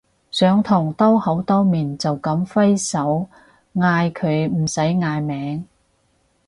上堂兜口兜面就噉揮手嗌佢唔使嗌名